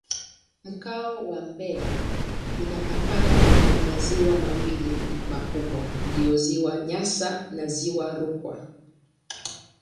Mkoa wa Mbeya inapakana na maziwa mawili makubwa ndiyo Ziwa Nyasa na Ziwa Rukwa.